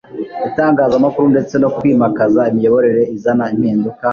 itangazamakuru ndetse no kwimakaza imiyoborere izana impinduka